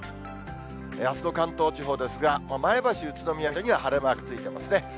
あすの関東地方ですが、前橋、宇都宮、水戸には晴れマークついてますね。